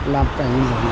làm cảnh giảm